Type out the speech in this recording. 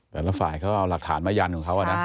แต่ละฝ่ายเขาเอาหลักฐานมายันของเขานะ